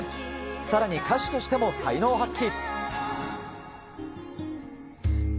さらに歌手としても才能を発揮。